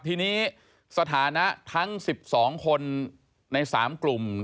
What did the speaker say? ทีนี้สถานะทั้ง๑๒คนใน๓กลุ่ม